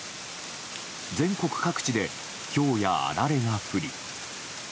全国各地でひょうやあられが降り